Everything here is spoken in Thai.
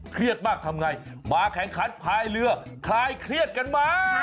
เครียดมากทำไงมาแข่งขันพายเรือคลายเครียดกันมา